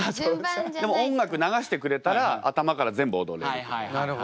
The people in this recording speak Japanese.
でも音楽流してくれたら頭から全部踊れるけど。